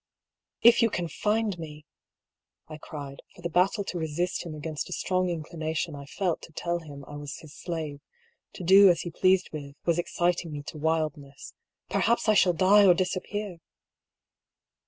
" If you can find me," I cried ; for the battle to resist him against a strong inclination I felt to tell him I was his slave, to do as he pleased with, was exciting me to wildness. " Perhaps I shall die or disappear